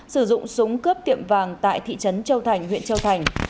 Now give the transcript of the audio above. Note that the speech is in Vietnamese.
sử dụng súng cướp tiệm vàng tại thị trấn châu thành huyện châu thành